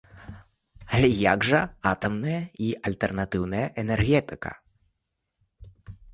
Але як жа атамная і альтэрнатыўная энергетыка?